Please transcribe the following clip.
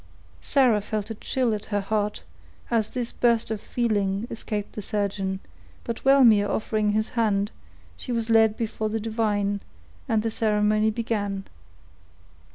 Sarah felt a chill at her heart, as this burst of feeling escaped the surgeon; but Wellmere offering his hand, she was led before the divine, and the ceremony began.